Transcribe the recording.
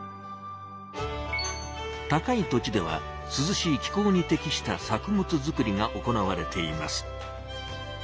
高い土地ではすずしい気候に適した作物作りが行われています。